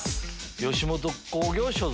吉本興業所属。